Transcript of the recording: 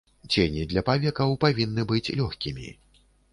Цені для павекаў павінны быць лёгкімі.